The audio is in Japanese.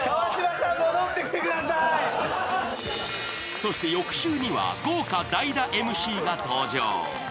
そして翌週には豪華代打ＭＣが登場。